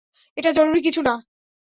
এটা জরুরি কিছু না।